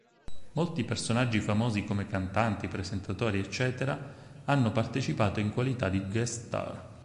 Molti personaggi famosi come cantanti, presentatori ecc. hanno partecipato in qualità di guest star.